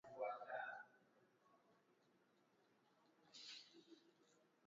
Kwenye vyombo vya umoja wa Afrika mashariki ikiwa ni pamoja na Mahakama ya Haki ya Afrika